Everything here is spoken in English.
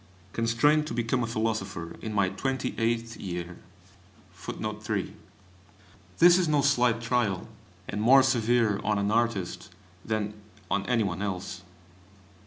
Constrained to become a philosopher in my twenty eighth year! This is no slight trial, and more severe on an artist than on any one else.